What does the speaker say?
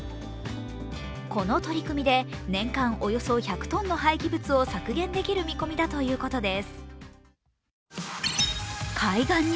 この取り組みで年間およそ１００ｔの廃棄物を削減できる見込みだということです。